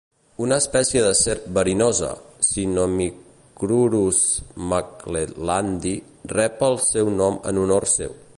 Una espècie de serp verinosa, "Sinomicrurus macclellandi", rep el seu nom en honor seu.